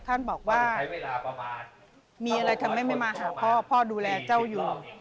ท่านบอกว่ามีอะไรทำให้ไม่มาหาพ่อพ่อดูแลเจ้าอยู่